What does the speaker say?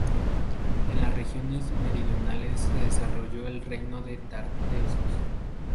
En las regiones meridionales se desarrolló el reino de Tartessos.